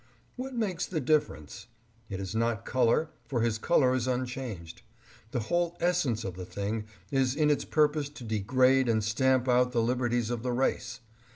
What makes the differ ence ? It is not color, for his color is unchanged. The whole essence of the thing is in its purpose to degrade and stamp out the liberties of the race.